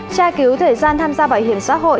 tra cứu thời gian tham gia bảo hiểm xã hội